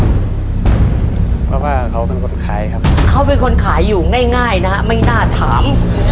เพราะว่าเขาเป็นคนขายครับเขาเป็นคนขายอยู่ง่ายนะฮะไม่น่าถาม